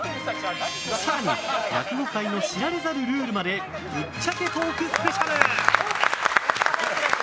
更に落語界の知られざるルールまでぶっちゃけトークスペシャル！